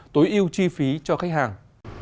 tối ưu chi phí cho khách hàng